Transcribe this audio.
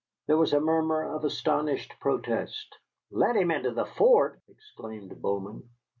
There was a murmur of astonished protest. "Let him into the fort!" exclaimed Bowman.